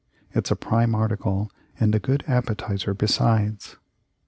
It's a prime article and a good appetizer besides."